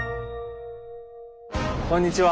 こんにちは。